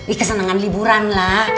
ih kesenangan liburan lah